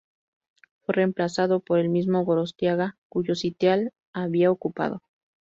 Fue reemplazado por el mismo Gorostiaga cuyo sitial había ocupado.